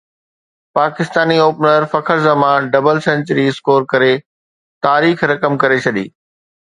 Pakistani opener Fakhar Zaman double century score ڪري تاريخ رقم ڪري ڇڏي